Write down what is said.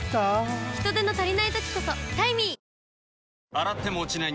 洗っても落ちない